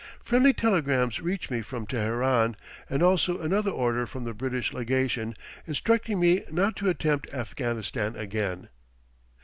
Friendly telegrams reach me from Teheran, and also another order from the British Legation, instructing me not to attempt Afghanistan again.